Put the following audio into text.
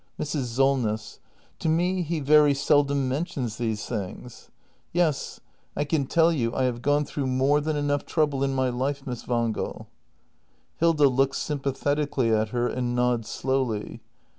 Mrs. Solness. To me he very seldom mentions these things. — Yes, I can tell you I have gone through more than enough trouble in my life, Miss Wangel. Hilda. [Looks sympathetically at her and nods slowly.